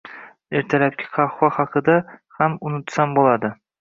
Ertalabki qahva haqida ham unutsam bo'ladi